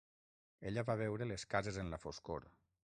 Ella va veure les cases en la foscor.